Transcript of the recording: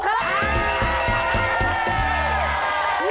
ตอบตอบตอบ